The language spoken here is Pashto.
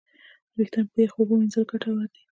وېښتيان په یخو اوبو وینځل ګټور دي.